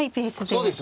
そうですね。